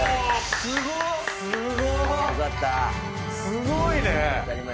すごいね！